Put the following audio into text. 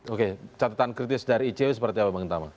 oke catatan kritis dari icw seperti apa bang tama